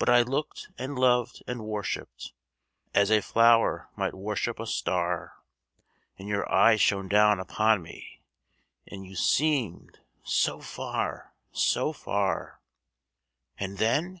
But I looked and loved and worshipped As a flower might worship a star, And your eyes shone down upon me, And you seemed so far so far. And then?